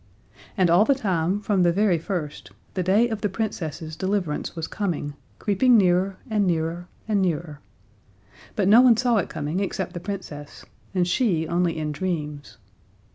And all the time, from the very first, the day of the Princess's deliverance was coming, creeping nearer, and nearer, and nearer. But no one saw it coming except the Princess, and she only in dreams.